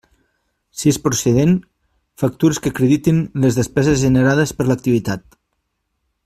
Si és procedent, factures que acrediten les despeses generades per l'activitat.